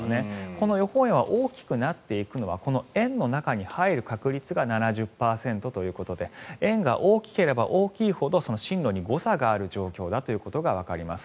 この予報円は大きくなっていくのは円の中に入る確率が７０％ということで円が大きければ大きいほど進路に誤差がある状況だということがわかります。